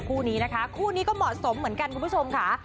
คู่นี้นะฮะกูมอดศมเหมือนกันคุณผู้ชมค่ะ